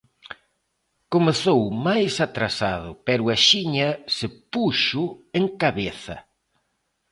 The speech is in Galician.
Comezou máis atrasado, pero axiña se puxo en cabeza.